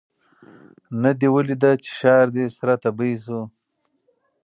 نه دي ولیده چي ښار دي سره تبۍ سو